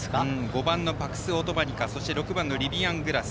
５番のパクスオトマニカ６番のリビアングラス。